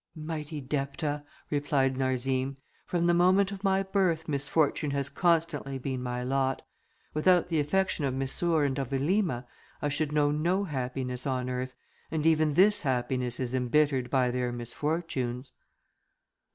"Mighty Depta," replied Narzim, "from the moment of my birth, misfortune has constantly been my lot: without the affection of Missour and of Elima, I should know no happiness on earth, and even this happiness is embittered by their misfortunes."